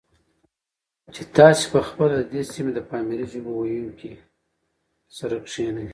چې تاسې په خپله د دې سیمې د پامیري ژبو ویونکو سره کښېنئ،